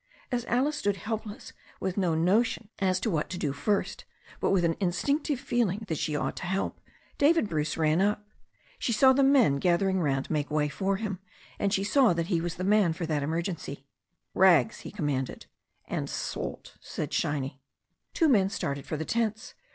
As Alice stood helpless, with no notion as to what to do THE STORY OF A NEW ZEALAND RIVER 57 first, but wifli an instinctive feeling that she ought to help, David Bruce ran up. She saw the men gathered round make way for him, and she saw that he was the man for that emergency. "Rags," he commanded. "And salt," added Shiny. Two men started for the tents.